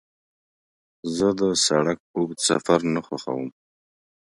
زه د سړک اوږد سفر نه خوښوم.